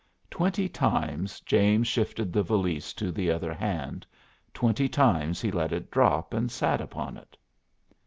Twenty times James shifted the valise to the other hand, twenty times he let it drop and sat upon it.